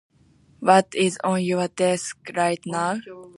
What is on your desk right now?